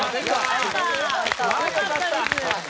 よかったです。